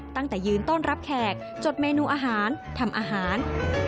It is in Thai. ตั้งแต่ยืนต้อนรับแขกจดเมนูอาหารทำอาหาร